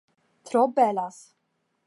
Tro belas